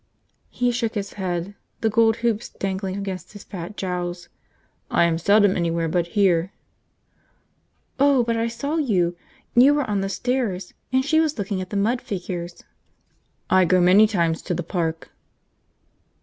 He shook his head, the gold hoops dangling against his fat jowls. "I am seldom anywhere but here." "Oh, but I saw you! You were on the stairs, and she was looking at the mud figures." "I go many times to the park."